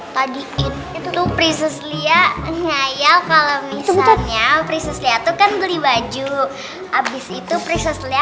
tadi itu priscilia nyayang kalau misalnya priscilia tuh kan beli baju habis itu priscilia